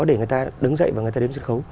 để người ta đứng dậy và người ta đến sân khấu